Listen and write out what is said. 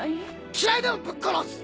嫌いでもぶっ殺す！